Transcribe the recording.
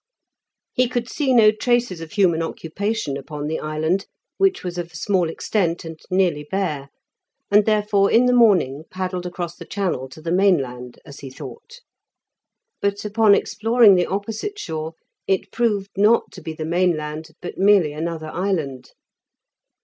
He could see no traces of human occupation upon the island, which was of small extent and nearly bare, and therefore, in the morning, paddled across the channel to the mainland, as he thought. But upon exploring the opposite shore, it proved not to be the mainland, but merely another island.